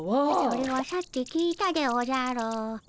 それはさっき聞いたでおじゃる。